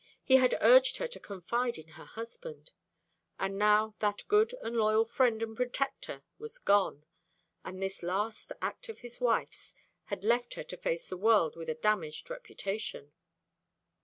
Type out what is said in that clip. He had urged her to confide in her husband. And now that good and loyal friend and protector was gone; and this last act of his wife's had left her to face the world with a damaged reputation.